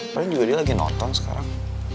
pernah juga dia lagi nonton sekarang